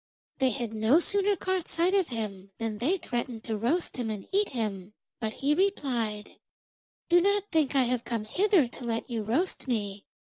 They had no sooner caught sight of him than they threatened to roast him and eat him, but he replied: 'Do not think I have come hither to let you roast me.